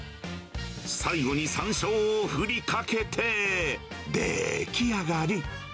最後にさんしょうを振りかけて出来上がり。